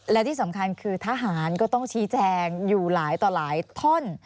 และที่สำคัญคือทหารก็ต้องชี้แจงอยู่หลายต่อหลายท่อน